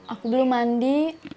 aku belum mandi